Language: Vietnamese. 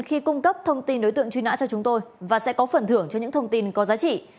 khi cung cấp thông tin đối tượng truy nã cho chúng tôi và sẽ có phần thưởng cho những thông tin có giá trị